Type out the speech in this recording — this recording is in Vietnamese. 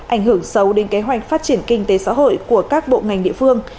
ảnh hưởng sâu đến kế hoạch phát triển kinh tế xã hội của các bộ ngành địa phương